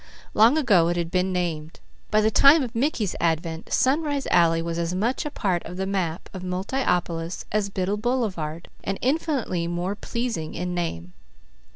Long ago it had been named. By the time of Mickey's advent Sunrise Alley was as much a part of the map of Multiopolis as Biddle Boulevard, and infinitely more pleasing in name.